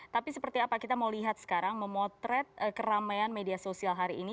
tapi seperti apa kita mau lihat sekarang memotret keramaian media sosial hari ini